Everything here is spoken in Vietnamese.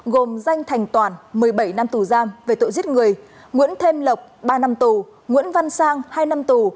gồm danh thành toản một mươi bảy năm tù giam về tội giết người nguyễn thêm lộc ba năm tù nguyễn văn sang hai năm tù